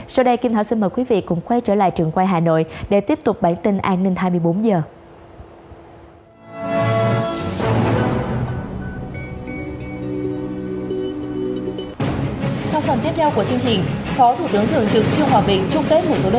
sau đây kim thảo xin mời quý vị cùng quay trở lại trường quay hà nội để tiếp tục bản tin an ninh hai mươi bốn giờ